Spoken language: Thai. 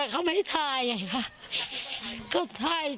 เขาไม่ท่ายเหงี่ย